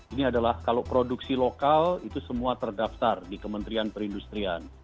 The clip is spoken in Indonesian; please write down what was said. ini adalah kalau produksi lokal itu semua terdaftar di kementerian perindustrian